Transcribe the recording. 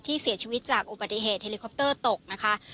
เสียชีวิตจากอุบัติเหตุเฮลิคอปเตอร์ตกนะคะ